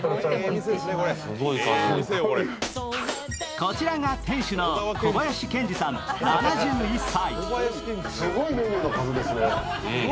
こちらが店主の小林健二さん７１歳。